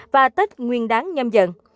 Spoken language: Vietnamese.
và tết nguyên đáng nhâm dận